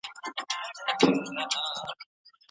ولي کوښښ کوونکی د مخکښ سړي په پرتله لوړ مقام نیسي؟